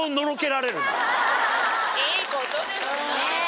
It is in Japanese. いいことですなぁ。